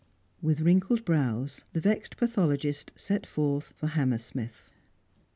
With wrinkled brows, the vexed pathologist set forth for Hammersmith.